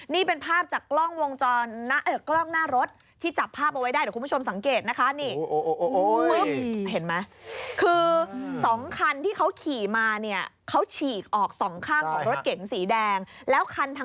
นี่เป็นภาพจากกล้องวงจรเออกล้องหน้ารถ